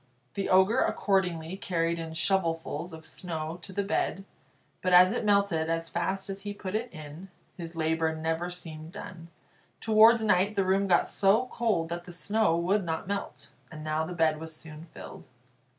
The Ogre accordingly carried in shovelfuls of snow to the bed, but as it melted as fast as he put it in, his labour never seemed done. Towards night the room got so cold that the snow would not melt, and now the bed was soon filled.